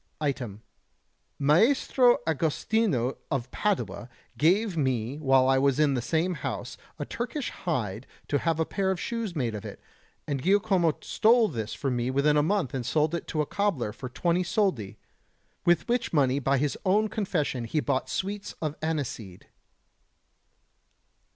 Item: Maestro Agostino of Padua gave me while I was in the same house a Turkish hide to have a pair of shoes made of it, and Giacomo stole this from me within a month and sold it to a cobbler for 20 soldi, with which money by his own confession he bought sweets of aniseed.